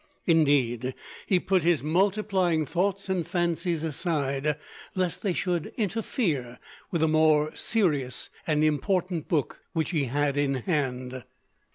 Indeed, he put his multiplying thoughts and fancies aside, lest they should interfere with a more serious and important book which he had in hand!